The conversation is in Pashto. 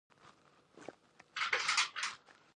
د ټولنیز عدالت پر بنسټ ټولنې په جوړولو مکلف دی.